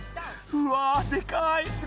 うわでかい。